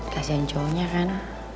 kasian cowoknya kan